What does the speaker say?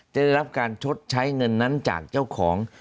ได้รับการชดใช้เงินนั้นจากเจ้าของ